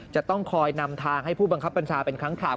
จะต้องคอยนำทางให้ผู้บังคับบัญชาเป็นครั้งคราว